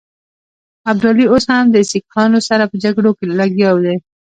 ابدالي اوس هم د سیکهانو سره په جګړو لګیا دی.